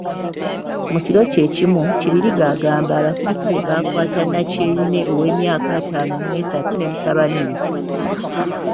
Mu kiro kye kimu, Kibirige agamba abasirikale baakwata Nakyeyune ow'emyaka ataano mu esatu ne mutabani we.